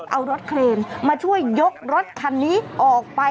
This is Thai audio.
เอารถเครนมาช่วยยกรถคันนี้ออกไป